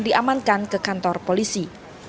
diamankan ke kantor polisi